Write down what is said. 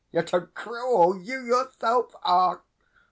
Yet how cruel you yourself are!